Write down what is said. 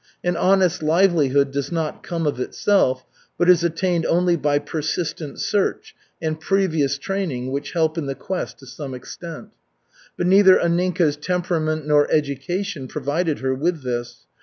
An honest livelihood does not come of itself, but is attained only by persistent search and previous training which help in the quest to some extent. But neither Anninka's temperament nor education provided her with this.